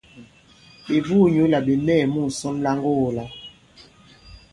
Ɓè buū nyǔ là ɓè mɛɛ̀ mu ŋsɔn la ŋgogō-la.